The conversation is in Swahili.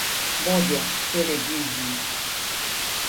Moja Pele Gwiji